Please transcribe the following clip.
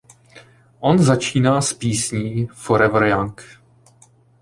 On začíná s písní "Forever Young".